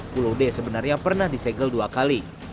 pulau d sebenarnya pernah disegel dua kali